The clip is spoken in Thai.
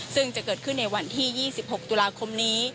ซึ่งจะเกิดขึ้นในวันที่๒๖ตุลาคมนี้